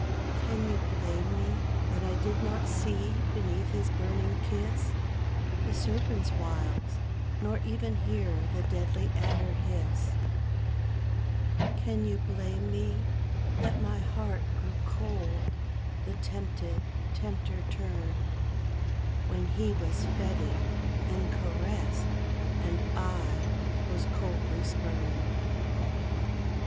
Can you blame me that I did not see Beneath his burning kiss The serpent's wiles, nor even hear The deadly adder hiss? A DOUBLE STANDARD. 13 Can you blame me that my heart grew cold The tempted, tempter turned; When he was feted and caressed And I was coldly spurned?